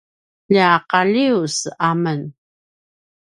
lja Qalius a men